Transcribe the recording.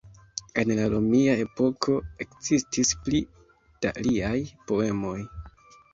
En la romia epoko ekzistis pli da liaj poemoj.